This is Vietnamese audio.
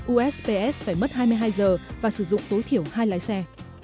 usps phải mất hai mươi hai giờ và sử dụng tối thiểu hai lái xe